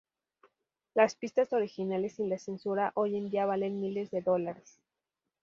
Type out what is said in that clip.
Las pistas originales sin la censura, hoy en día valen miles de dólares.